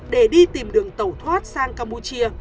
để đi tìm đường tẩu thoát sang campuchia